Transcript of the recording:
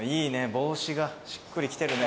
帽子がしっくりきてるね。